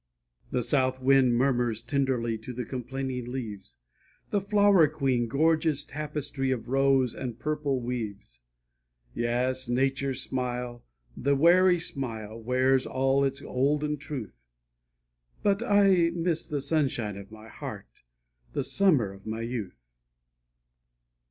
The south wind murmurs tenderly To the complaining leaves; The Flower Queen gorgeous tapestry Of rose and purple weaves. Yes, Nature's smile, the wary while, Wears all its olden truth, But I miss the sunshine of my heart, The summer of my youth.